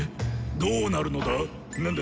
どうなるのだ⁉何だ。